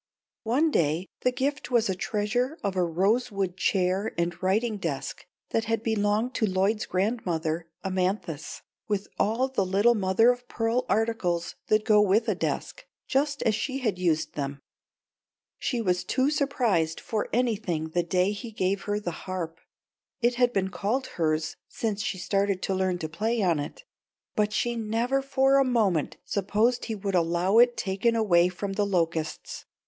One day the gift was a treasure of a rosewood chair and writing desk that had belonged to Lloyd's grandmother Amanthis, with all the little mother of pearl articles that go with a desk, just as she had used them. She was too surprised for anything the day he gave her the harp. It had been called hers since she started to learn to play on it, but she never for a moment supposed he would allow it taken away from The Locusts.